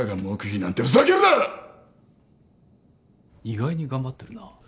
意外に頑張ってるな。